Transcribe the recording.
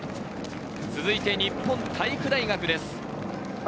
続いて日本体育大学です。